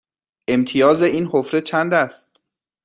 امتیاز این حفره چند است؟